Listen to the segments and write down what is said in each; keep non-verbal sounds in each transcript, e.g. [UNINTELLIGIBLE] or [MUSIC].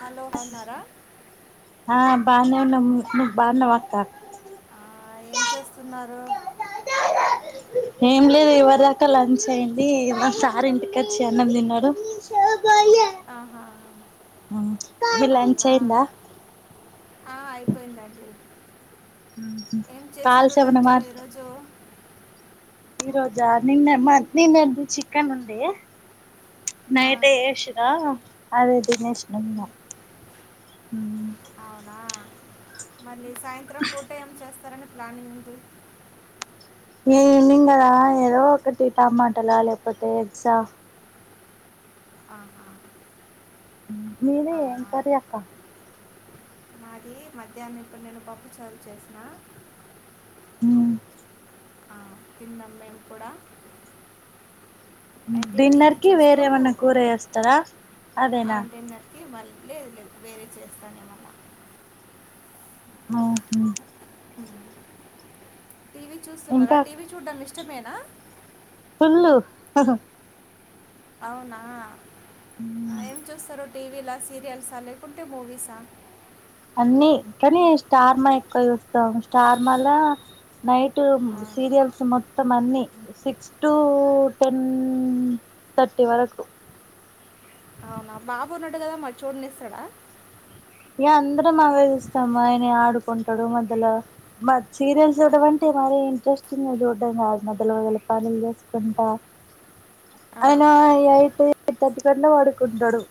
Hello అవునారా ఆ బాగున్నా బాగున్నం నువ్వు బాగున్నావక్క ఆ, ఏం చేస్తున్నారు ఏం లేదు ఇవరి దాకా లంచ్ అయియంది సార్ ఇంటికి వచ్చి అన్నం తిన్నాడు ఆహా మీ లంచ్ అవునా అయిందా ఆ అయిపోయిందండి ఏం కాలు చేసిర్రు సెవనమా లంచ్లో [UNINTELLIGIBLE] ఈరోజు ఈ రోజా నిన్న మ నిన్నెదు చికన్ ఉందిడి ఆ, నైట్ ఏసినా అదేదినేసి నమ్ంద [UNINTELLIGIBLE] అవునా మళ్ళీ సాయంత్రం పూట ఏం చేస్తారని ప్లానింగ్ ఉంది ఏమింగ ఏదో ఒకటి టమాటలా లేకపోతే ఎగ్జా ఆ మీది ఏం కర్రీ అక్క. నాది మధ్యాహ్నం ఇప్పుడు నేను పప్పు చారు చేసిన మ్ ఆ కింద మేము కూడా అయితే టీవీ డిన్నర్కిి చూస్తూ వేరే ఏ మన్న కూర ఉన్నాం చేస్తరా, ఆ, అదేనా. డిన్నర్కి మళ్ళీ లేదు లేదు వేరే చేస్తాను ఏమన్నా. ఆ హో అ టీవీ చూస్తున్నారా ఇంకా టీవీ చూడ్డం ఇష్ట నిజమేనా ఫుల్లు అవునా ఏం చూస్తరు టీవీల సీరియల్సా, లేకుంటే మూవీస్ అ అన్నీ కానీ స్టార్మా ఎక్కువ చూస్తాం స్టార్మాలా నైట్ ఆ, సీరియల్స్ మొత్తం అన్ని సిక్స్ టు టెన్ థర్టీ వరకు. అవునా బాబు ఉన్నాడు కదా మరి, చూడని ఇస్తడా. ఇగ అందరం అవే చూస్తాము. ఆయన ఆడుకుంటాడు మద్యల సీరియల్స్ చూడ్డం అంటే మరీ ఇంట్రెస్టింగా చూడ్డం కాదు మధ్య మధ్యలో పనులు చేసుకుంటా ఆ, ఆయన ఎయిట్ ఎయిట్ థర్టీ కట్ల పడుకుంటాడు.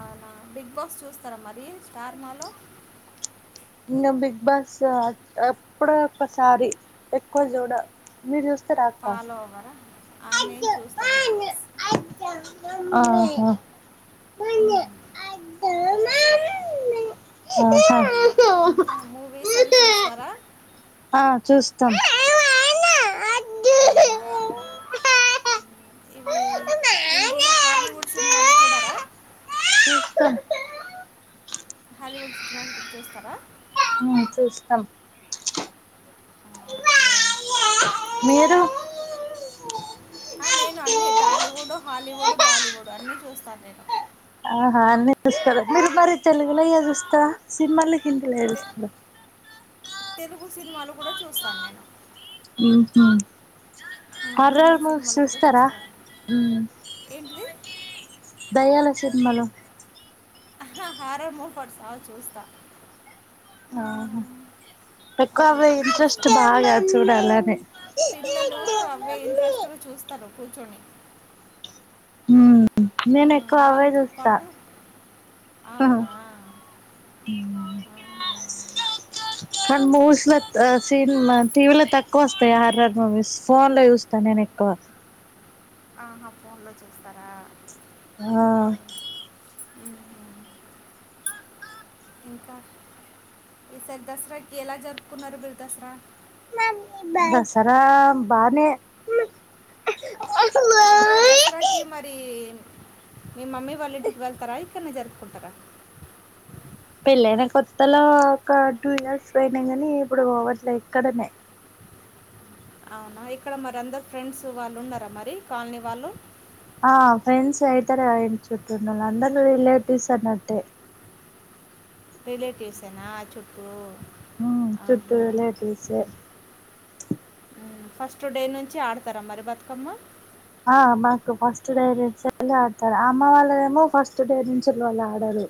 అవునా బిగ్ బాస్ చూస్తరా మరి. స్టార్మా లొ ఇంగ బిగ్ బాస్ ఎప్పుడో ఒక్కసారి ఎక్కువ చూడ మీరు చూస్త పాలోవర్ ఆ నేను చూస్తాను. ఆత్త, మమ్మీ నాకు ఇష్టం. ఆహా మ్ రాను అటు ఆహా ఏ హాలీవుడ్ సినిమాలు చూడరా. చూస్తాం హాలీవుడ్ సినిమాలు గూడ చూస్తారా. మ్ చూస్తాం ఆ, వా ఓకే యా ఇంకా నేను అన్ని టాలీవుడ్, హాలీవుడ్, అ బాలీవుడ్, అన్నీ చూస్తాను నేను. చుస్తారు మీరు మరి తెలుగులో ఏ చుస్తర, సినిమాల్ని హిందలో ఏ తె- చుస్తారా. తెలుగు సినిమాలు కూడ చూస్తాను నేను. మ్ హు హిందీ సినిమాలు కూడా చూస్తారు ఏంటిది దయ్యాల సినిమాలు అహ్హాహ్హా హార్రర్ మూవ్ ఫడ్స్ ఆల్ చూస్తా. ఆహా ఉమ్, ఎక్కువ అవి అవే కూడా చూస్తా ఇంట్రెస్ట్ బాగా చూడాలని. పిల్లలు అవే ఇంట్రెస్ట్గా చూస్తారు కూర్చొని మ్ నేను ఉమ్, ఎక్కువ అవే వాళ్ళతో చూస్తా పాటు ఉమ్ అవునా ఆహా. కొన్ని మూవీస్ లో సీన్ టీవీలో తక్కువ వస్తాయి ఆర్ఆర్ మూవీస్ ఫోన్ లో చూస్తా నేను ఎక్కువ ఆహా ఫోన్ లో చూస్తారా ఆ ఉహూ ఇంకా ఈ సారి దసరాకి ఎలా జరుపుకున్నారు మీరు దసరా దసరా బానే ఇక్కడ దసరాకి మరి మీ మమ్మీ వాళ్ళ ఇంటికి వెళ్తారా ఇక్కడనే జరుపుకుంటారా పెళ్ళైన కొత్తలో ఒక టూ ఇయర్స్ పోయినా కాని ఇప్పుడు పోవట్లే ఇక్కడనే అవునా ఇక్కడ మరి అందరు ఫ్రెండ్స్ వాళ్ళు ఉన్నారా మరి కాలనీ వాళ్ళు ఆ ఫ్రెండ్స్ అయితారు చుట్టూండ వాళ్ళు అందరు రిలేటివ్స్ అన్నట్టే రిలేటివ్సేనా చుట్టూ ఉమ్ చుట్టూ ఆహా రిలేటివ్స్ ఏ ఫస్ట్ డే నుంచి ఆడతారా మరి బతుకమ్మ ఆ మాకు ఫస్ట్ డే నుంచి ఆళ్ళ ఆడతారు అమ్మ వాళ్ళ ఏమో ఫస్ట్ డై నుంచి వాళ్ళు ఆడరు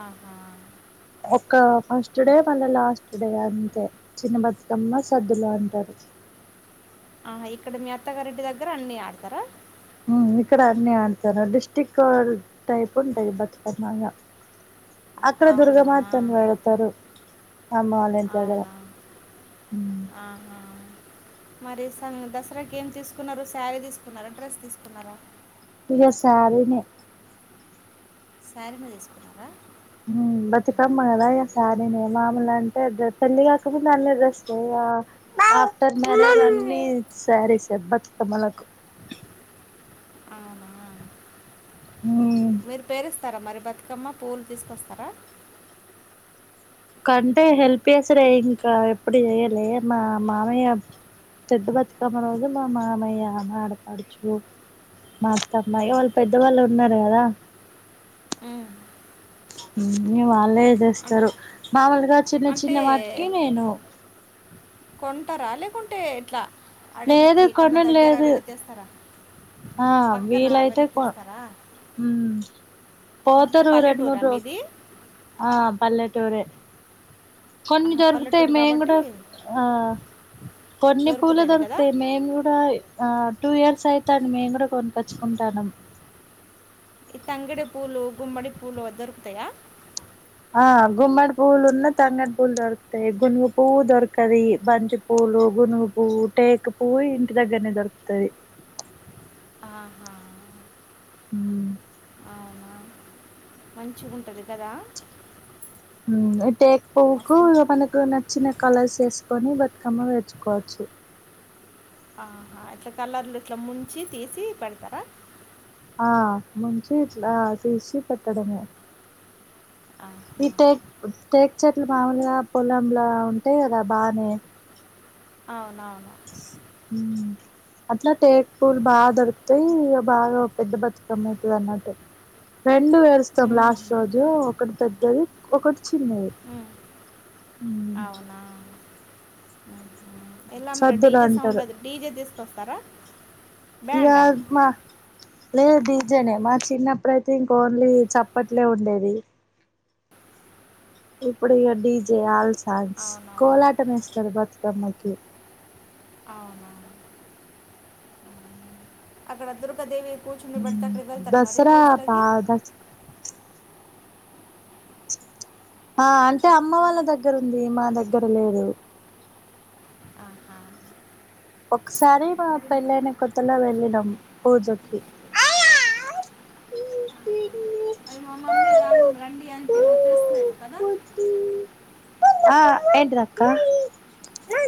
ఆహా ఒక ఫస్ట్ డే ఉమ్. మళ్ళ లాస్ట్ డ అంతే చిన్న బతుకమ్మ సద్దులు అంటారు ఆహా ఇక్కడ మీ అత్తగారింటి దగ్గర అన్ని ఆడతారా ఉమ్ ఇక్కడ అన్ని ఆడతారు డిస్టిక్ టైప్ ఉంటాది బతుకుపట్నంగా అక్కడ అవునా దుర్గామాతను వెడతారు ఆ మాల దగ్గర అవునా ఉమ్ ఆహా మరి దసరాకి ఏం తీసుకున్నారు శారీ తీసుకున్నారా డ్రెస్ తీసుకున్నారా సారినే శారీ మీద తీసుకున్నారా ఉమ్ ఉమ్. బతుకమ్మ కదా ఇగ సారీ నే మామూలు అంటే పెళ్లి కాకముందు అన్ని డ్రెస్ లే [UNINTELLIGIBLE] [UNINTELLIGIBLE] ఉమ్. అన్ని సారీ సెబ్బత్ మాలకు అవునా మీరు పేరు స్తారా మరి బతుకమ్మ పూలు తీసుకొస్తారా కంటే హెల్ప్ చేసారే ఇంకా ఎప్పుడు చేయలే మా మామయ్య పెద్ద బతుకమ్మ రోజు మా మామయ్య ఆడపడుచు మా అత్తమ్మయి ఉమ్. వాళ్ళు పెద్దవాళ్ళు ఉన్నారు కదా మ్మ్. ఉమ్ ఇంగ వాళ్ళే అం- చేస్తారు మామూలుగా చిన్న చిన్న అంటే వాటికి నేను కొంటారా లేకుంటే ఎట్లా అడవికి లేదు ఎక్కడన్నా కొనుడు దగ్గర లేదు వెళ్ళి తెస్తారా ఆ పక్కన వీలైతే వెళ్ళి ఉ తెస్తారా అంటే పోతారు రెండు పల్లెటూరా మూడు రోజులు మీది ఆ పల్లెకు టోరే కొన్ని ఆహా, దొరుకుతాయి పల్లెటూరు మేము కాబట్టి కూడా ఆ కొన్ని పూలు దొరుకుతాయి మేము కూడా ఆ టూ ఇయర్స్ అయితాంది మేము కూడా కొనిక్కొచ్చుకుంటాన్నమ్ ఈ తంగడి పూలు గుమ్మడి పూలు దొరుకుతాయా ఆ గుమ్మడి పువ్వులు ఉన్న తంగడి పువ్లు దొరుకుతాయి గునుగు పువ్వు దొరకది బంతి పూలు గునుగు పువ్వు టేక పువ్వు ఇంటి దగ్గరనే దొరుకుతది ఆహా హు అవునా మంచిగా ఉంటుంది కదా ఉ టేక్ పువ్వుకు మస్త్ మనకు నచ్చిన కలర్స్ వేసుకొని బతుకమ్మ పేర్చుకోవచ్చు ఆహా ఇట్లా కలర్లు ఇట్లా ముంచి తీసి పెడతారా ఆ ముంచి ఇట్లా తీసి పెట్టడమే ఆహా! ఈ టేక్ టేక్ చెట్లు మామూలుగా పొలాం లా ఉంటాయి కదా బానే అవున ఉ అట్లా టేక్పూర్ బాగా దొరుకుతాయి ఇ బాగా పెద్ద బతుకమ్మ అవుతుది అన్నట్టు రెండు పేరుస్తాం హ్మ్. లాస్ట్ రోజు ఒకటి పెద్దది ఒకటి చిన్నది హ్మ్. మ్ అవునా హుహు. ఎలా మరి సద్దులు డీజే అంటారు సౌండ్లో డీజే తీసుకొస్తారా ఇక బ్యాండా మా లేదు డీజే నే మా చిన్నప్పుడు అయితే ఇంక ఓన్లీ చప్పట్లే ఉండేది ఇప్పుడు ఇక డీజే ఆల్సన్స్ అవునవును. కోలాటం ఏస్తారు బతుకమ్మకి అవునవును. అక్కడ దుర్గాదేవి కూచుండా బెడితే అక్కడికి వెళ్తారా మరి దసరా బా పూజలాకి దస ఆ అంటే అమ్మ వాళ్ళ దగ్గర ఉంది మా దగ్గర లేదు ఒకసారి మా మరి పెళ్ళయిన కొత్తలో వెళ్ళినం పూజకి మరి మా మమ్మీ రన్ రండి అని [UNINTELLIGIBLE] మతే ఆ ఏంటిది అక్కా.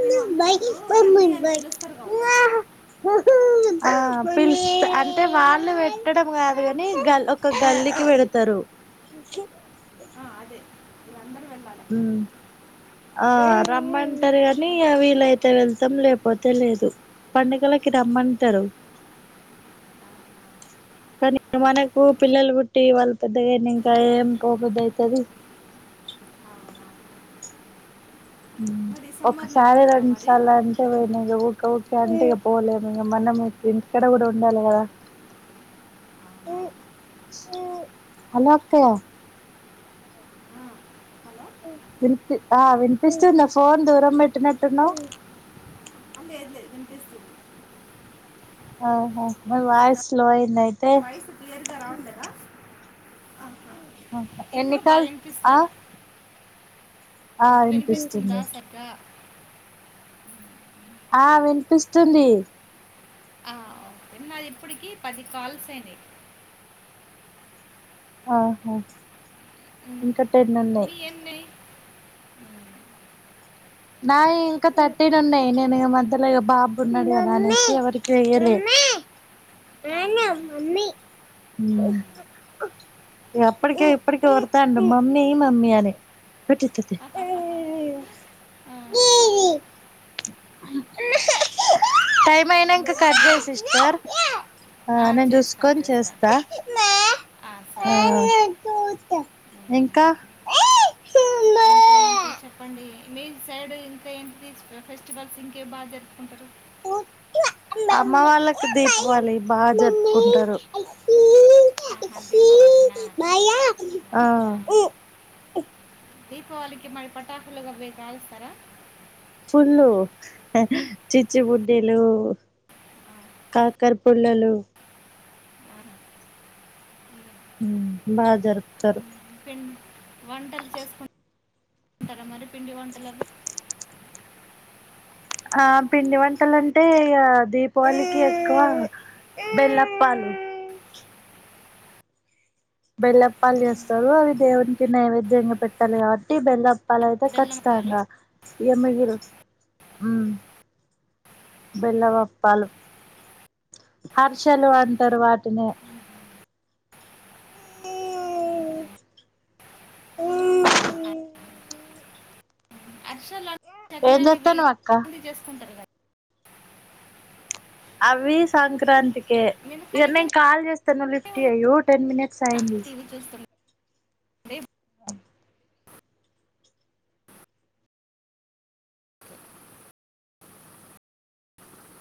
మీ మమ్మీ వాళ్ళు రండి అని పిలుస్తారు కావచ్చు. ఆ పిలుస్ అంటే వాళ్ళు పెట్టడం కాదు కాని గల్ ఒక గల్లికి పెడతరు. ఆ! అదే ఇ అందర హ్ ఆ రమ్మంటారు కాని వీలయితే వెళ్తాం లేకపోతే లేదు. పండుగలకి రమ్మంటరు, కానీ మనకు పిల్లలు పుట్టి వాళ్ళు పెద్దగా అయినాంకా ఏం పోబుద్ది అయితది. అవునా? మరి సమ్మర్‌లో ఒకసారి వెళ్తారా రెండు మరి? సార్లు అంటే పోయినా ఇగా ఊ గా ఊకే అంటే ఇగా పోలేము ఇగా. మనము ఇక్కడ కూడా ఉండాలె కదా. హలో అక్కయ్య. ఆ! హలో! వినిపి ఆ వినిపిస్తుందా ఫోన్ దూరం పెట్టినట్టున్నవు. ఆ! లేదు లేదు వినిపిస్తుంది. ఆహా మీ వాయస్ లో అయిందయి వాయిస్ క్లియర్గా రావట్లేదా. ఆహా. ఆహా ఎన్ని ఇప్పుడు బాగా కాల్స్ వినిపిస్తుందా ఆ ఆ ఇప్పుడు వినిపిస్తుందా వినిపిస్తుంది సగా ఆ వినిపిస్తుంది. ఆ ఓ నాది ఇప్పటికి పది కాల్స్ అయినయి. ఆహా ఉమ్. ఇంకా టెన్ ఉన్నయి. మీ ఎన్ని ఉమ్. నాయి ఇంకా థర్టీన్ ఉన్నయి. నేను ఇగా మధ్యల బాబు ఉన్నడు కాదా అనేసి ఎవరికి చెయ్యలేదు. ఆహా. మ్ అవునా. ఇగా ఉమ్. అప్పటికి ఇప్పటికి ఒర్రుతాండు మమ్మీ మమ్మీ అని టైం అయినంకా ఇంకా కట్ చేయి మీరు సిస్టర్. ఆ నేను చేస్తాను చూసుకొని చేస్తాను చేస్తా. ఆ, సరే ఇంకా స ఇంకా ఏంటి చెప్పండి. మీ సైడ్ ఇంకా ఏంటి ఫెస్టివల్స్ ఇంకే బాగా జరుపుకుంటరు. అమ్మ వాళ్ళకి దీపావాళి బాజరుపుకుంటరు. హాతిఫా వదినా. ఆ దీపావళికి మరి పటాకులు అవి కాలుస్తరా. ఫుల్లు చిచ్చు బుడ్డిలు, ఆ, కాకర పుల్లలు. బాగా జరుకుతారు పిండి వంటలు చేసుకుం స్తర మరి పిండి వంటలు అవి. ఆ పిండి వంటలు అంటే ఇ దీపావళికి ఎక్కువ బెల్లప్పాలు బెల్లప్పాలు చేస్తరు, అవి దేవునికి నైవేద్యంగా పెట్టాలి కాబట్టి బెల్ల వాళ్ళది అయితే బెల్లం పాలు ఖచ్చితంగా ఎ మిగిల్ బెల్లం అప్పాలు. హర్షలు అంటారు వాటినే. అర్షలు అం ఏం చగనాలు ఇవి చేస్తానవ్ అక్క ప చేసుకుంటారు కదా అవి సంక్రాంతి కే నేను ఇగ నేన్ కలిగినే కాల్ చేస్ లిఫ్ట్ చెయ్యి టెన్ మినిట్స్ సై ఉన్నా అండి టీవీ చూస్తున్నా ఉ